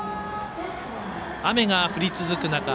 雨が降り続く中